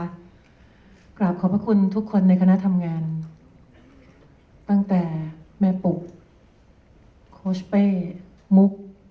กราบขอบพระคุณทุกคนในคณะทำงานตั้งแต่แม่ปุโคชเป้มุก